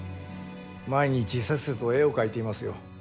毎日せっせと絵を描いていますよ。